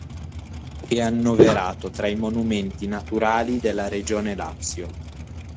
È annoverato tra i monumenti naturali della regione Lazio.